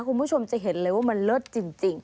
คุณผู้ชมจะเห็นเลยว่ามันเลิศจริง